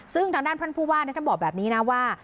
ซึ่งทางด้านท่านผู้ว่าท่านบอกแบบนี้นะว่า